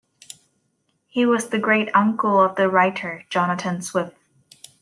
He was the great uncle of the writer Jonathan Swift.